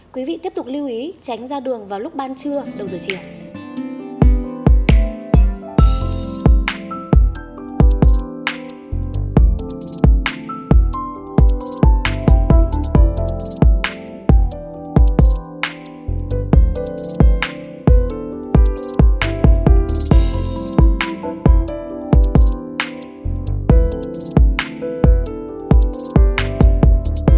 quý vị tiếp tục lưu ý tránh ra đường vào lúc ban trưa đầu giờ chiều